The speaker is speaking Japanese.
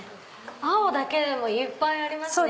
青だけでもいっぱいありますね